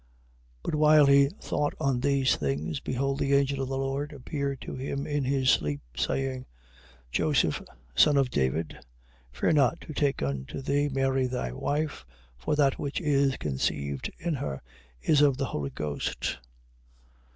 1:20. But while he thought on these things, behold the Angel of the Lord appeared to him in his sleep, saying: Joseph, son of David, fear not to take unto thee Mary thy wife, for that which is conceived in her, is of the Holy Ghost.